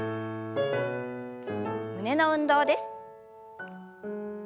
胸の運動です。